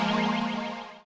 terima kasih bu